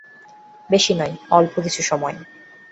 বেশি নয়, অল্প কিছু সময়।